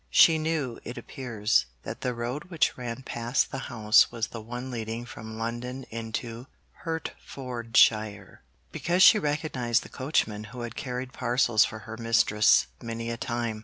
She knew, it appears, that the road which ran past the house was the one leading from London into Hertfordshire, because she recognised the coachman who had carried parcels for her mistress many a time.